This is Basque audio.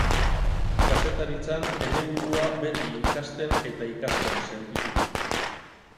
Kazetaritzan, ene burua beti ikasten eta ikasten sentitu dut.